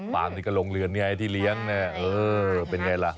ฟาร์มที่กระโลงเรือนไงไอ้ที่เลี้ยงเป็นไงล่ะ